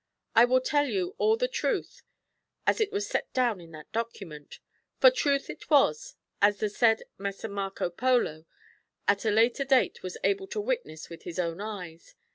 I will tell you all the truth as it was set down in that document. For truth it was, as the said Messer Marco Polo at a later date was able to witness with his own eyes.